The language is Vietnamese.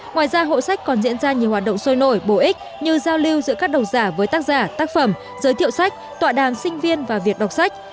ngoài ra hội sách còn diễn ra nhiều hoạt động sôi nổi bổ ích như giao lưu giữa các đồng giả với tác giả tác phẩm giới thiệu sách tọa đàm sinh viên và việc đọc sách